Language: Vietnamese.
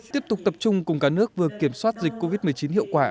tiếp tục tập trung cùng cả nước vừa kiểm soát dịch covid một mươi chín hiệu quả